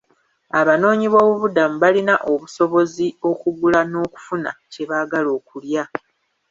Abanoonyiboobubudamu balina obusobozi okugula n'okufuna kye baagala okulya.